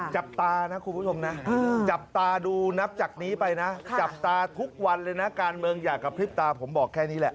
จับตานะคุณผู้ชมนะจับตาดูนับจากนี้ไปนะจับตาทุกวันเลยนะการเมืองอยากกระพริบตาผมบอกแค่นี้แหละ